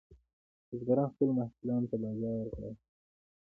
بزګران خپلو محصولاتو ته بازار غواړي